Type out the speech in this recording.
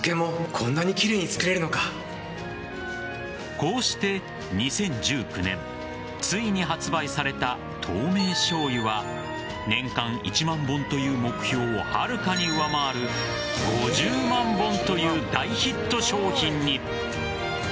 こうして、２０１９年ついに発売された透明醤油は年間１万本という目標をはるかに上回る５０万本という大ヒット商品に。